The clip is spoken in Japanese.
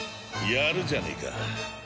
やるじゃねえか。